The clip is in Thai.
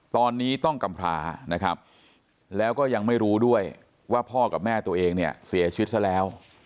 ตอนนี้ต้องกำพรานะครับแล้วก็ยังไม่รู้ด้วยว่าพ่อกับแม่ตัวเองเนี่ยเสียชีวิตซะแล้ว